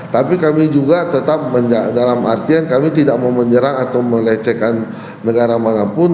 tapi kami juga tetap dalam artian kami tidak mau menyerang atau melecehkan negara manapun